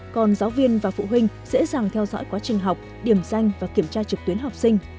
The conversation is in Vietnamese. còn giáo viên và phụ huynh dễ dàng theo dõi quá trình học điểm danh và kiểm tra trực tuyến học sinh